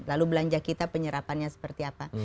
lalu belanja kita penyerapannya seperti apa